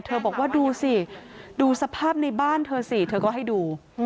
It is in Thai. บอกว่าดูสิดูสภาพในบ้านเธอสิเธอก็ให้ดู